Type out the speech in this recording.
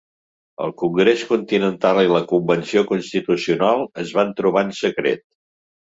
El Congrés Continental i la Convenció Constitucional es van trobar en secret.